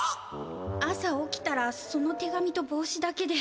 朝起きたらその手紙とぼうしだけで。